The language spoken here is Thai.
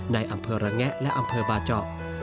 ในอำเภอระแงะและอำเภอบาเจาะ